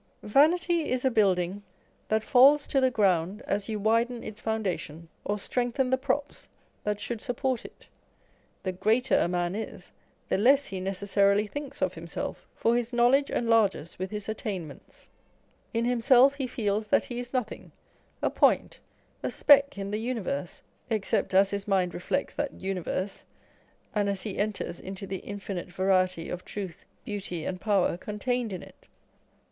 Vanity is a building that falls to the ground as you widen its foun dation, or strengthen the props that should support it. The greater a man is, the less he necessarily thinks of himself, for his knowledge enlarges with his attainments. In himself he feels that he is nothing, a point, a speck in the universe, except as his mind reflects that universe, and as he enters into the infinite variety of truth, beauty, and power contained in it.